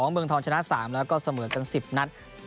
เมืองทองชนะ๓แล้วก็เสมอกัน๑๐นัด